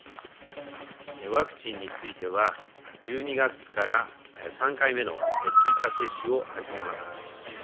ワクチンについては、１２月から３回目の追加接種を始めます。